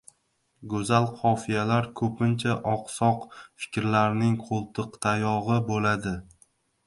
Go‘zal qofiyalar ko‘pincha oqsoq fikrlarning qo‘ltiqtayog‘i bo‘ladi.